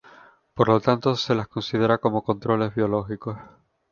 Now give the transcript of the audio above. Por lo tanto se las considera como controles biológicos.